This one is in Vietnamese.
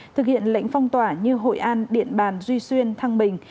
thực hiện lệnh phong tỏa như hội an điện bàn duy xuyên thăng bình